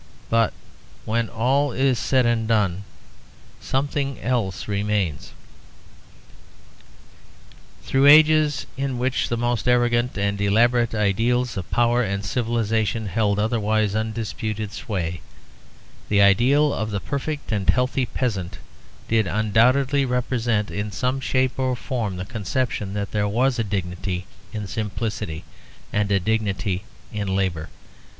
But when all is said and done, something else remains. Through ages in which the most arrogant and elaborate ideals of power and civilization held otherwise undisputed sway, the ideal of the perfect and healthy peasant did undoubtedly represent in some shape or form the conception that there was a dignity in simplicity and a dignity in labour.